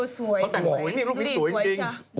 อ๋อสวยดูดีสวยจ้ะ